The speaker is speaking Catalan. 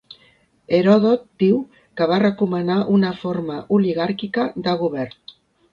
Heròdot diu que va recomanar una forma oligàrquica de govern.